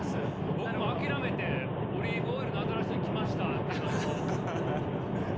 僕もう諦めてオリーブオイルの新しいの来ましたっていうのもう放ってますよ。